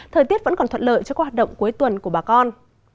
thời tiết vẫn còn thuận lợi cho các hoạt động cuối tuần của bà con